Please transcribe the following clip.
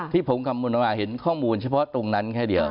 ที่ผมคำนวณออกมาเห็นข้อมูลเฉพาะตรงนั้นแค่เดียว